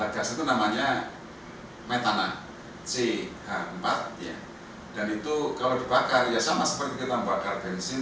gas itu namanya metana c h empat dan itu kalau dibakar ya sama seperti kita membakar bensin